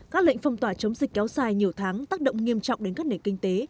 các lệnh phòng tỏa chống dịch kéo dài nhiều tháng tác động nghiêm trọng đến các nền kinh tế